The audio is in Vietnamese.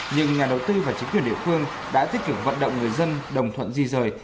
nhưng nhà đầu tư và chính quyền địa phương đã tích cực vận động người dân đồng thuận di rời